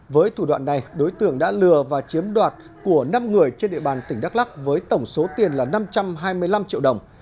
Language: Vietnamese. với thủ đoạn này đối tượng đã lừa và chiếm đoạt của năm người trên địa bàn tỉnh đắk lắc với tổng số tiền là năm trăm hai mươi năm triệu đồng